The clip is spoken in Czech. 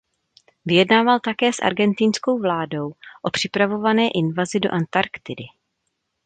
Vyjednával také s argentinskou vládou o připravované invazi do Antarktidy.